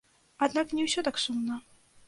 Аднак не ўсё так сумна.